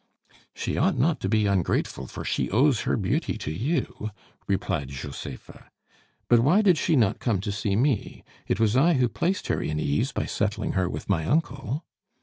"She ought not to be ungrateful, for she owes her beauty to you," replied Josepha; "but why did she not come to see me? It was I who placed her in ease by settling her with my uncle."